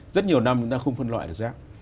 rất nhiều năm chúng ta không phân loại được rác